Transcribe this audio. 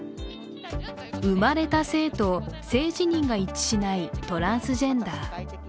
生まれた性と性自認が一致しないトランスジェンダー。